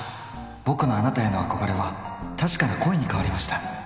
ボクのあなたへの憧れは確かな恋に変わりました！！